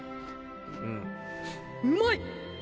うまい！